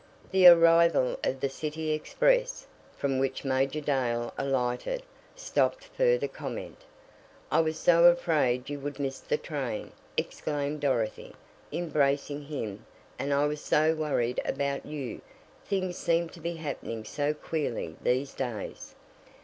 The arrival of the city express, from which Major Dale alighted, stopped further comment. "I was so afraid you would miss this train," exclaimed Dorothy, embracing him, "and I was so worried about you things seem to be happening so queerly these days."